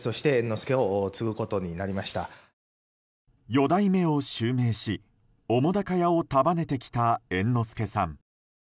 四代目を襲名し澤瀉屋を束ねてきた猿之助さん。